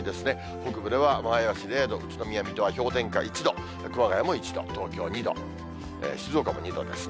北部では前橋０度、宇都宮や水戸は氷点下１度、熊谷も１度、東京２度、静岡も２度ですね。